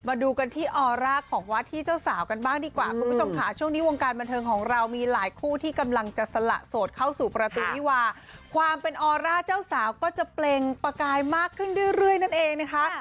มาดูกันที่ออร่าของวัดที่เจ้าสาวกันบ้างดีกว่าคุณผู้ชมค่ะช่วงนี้วงการบันเทิงของเรามีหลายคู่ที่กำลังจะสละโสดเข้าสู่ประตูวิวาความเป็นออร่าเจ้าสาวก็จะเปล่งประกายมากขึ้นเรื่อยนั่นเองนะคะ